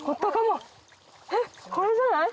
えっこれじゃない？